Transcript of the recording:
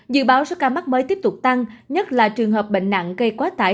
dự báo số ca mắc mới tiếp tục tăng nhất là trường hợp bệnh nặng gây quá tải